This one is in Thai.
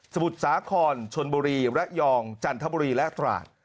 มุทรสาครชนบุรีระยองจันทบุรีและตราด